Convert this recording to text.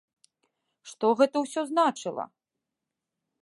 Што гэта ўсё значыла?